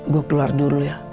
gue keluar dulu ya